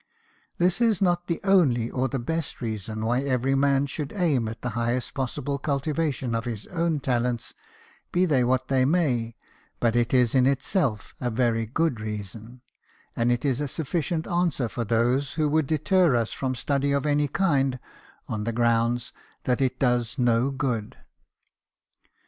This is not the only or the best reason why every man should aim at the highest possible cultivation of his own talents, be they what they may ; but it is in itself a very good reason, and it is a suffi cient answer for those who would deter us from study of any high kind on the ground that it " does no good."